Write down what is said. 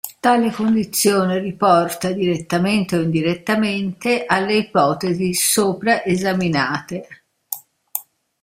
Tale condizione riporta, direttamente o indirettamente, alle ipotesi sopra esaminate.